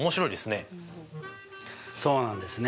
そうなんですね。